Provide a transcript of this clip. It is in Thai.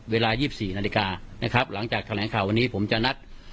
เวลา๒๔นาฬิกานะครับหลังจากแถลงข่าววันนี้ผมจะนัด